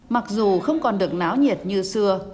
mặc dù không còn được náo nhiệt như xưa